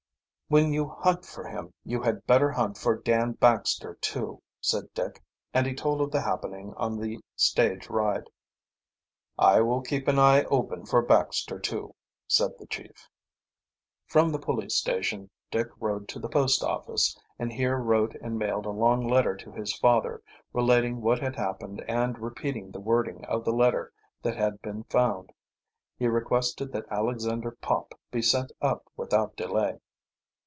"When you hunt for him you had better hunt for Dan Baxter, too," said Dick, and he told of the happening on the stage ride. "I will keep an eye open for Baxter, too," said the chief. From the police station Dick rode to the post office, and here wrote and mailed a long letter to his father, relating what had happened and repeating the wording of the letter that had been found. He requested that Alexander Pop be sent up without delay.